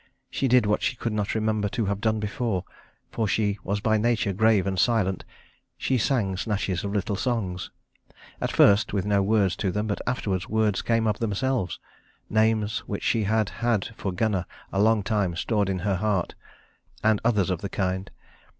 She did what she could not remember to have done before for she was by nature grave and silent: she sang snatches of little songs, at first with no words to them, but afterwards words came of themselves names which she had had for Gunnar a long time stored in her heart, and others of the kind.